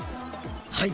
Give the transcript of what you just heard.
はい！